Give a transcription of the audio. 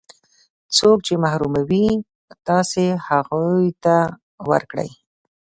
څوک چې محروموي تاسې هغو ته ورکړئ.